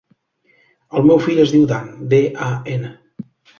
El meu fill es diu Dan: de, a, ena.